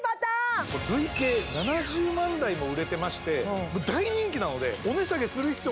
累計７０万台も売れてまして大人気なのでお値下げする必要